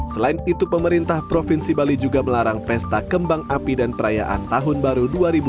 selain itu pemerintah provinsi bali juga melarang pesta kembang api dan perayaan tahun baru dua ribu dua puluh